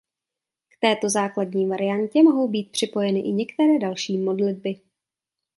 K této základní variantě mohou být připojeny i některé další modlitby.